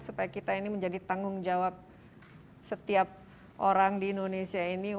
supaya kita ini menjadi tanggung jawab setiap orang di indonesia ini